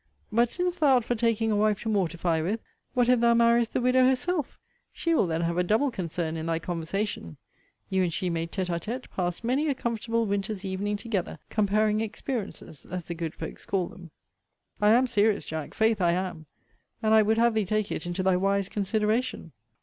But since thou art for taking a wife to mortify with, what if thou marriest the widow herself? She will then have a double concern in thy conversation. You and she may, tête à tête, pass many a comfortable winter's evening together, comparing experiences, as the good folks call them. * See the Postscript to Letter XL. of Vol. VIII. I am serious, Jack, faith I am. And I would have thee take it into thy wise consideration.